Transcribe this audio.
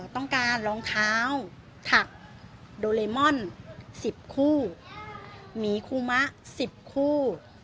รองเท้าถักโดเรมอน๑๐คู่หมีคุมะ๑๐คู่